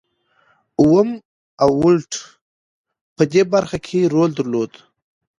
اوم او ولټ په دې برخه کې رول درلود.